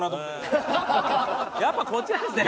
やっぱこっちなんですね。